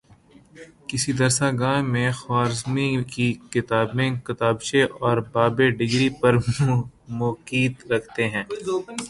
کسی درسگاہ میں خوارزمی کی کتابیں کتابچے اور باب ڈگری پر فوقیت رکھتے ہیں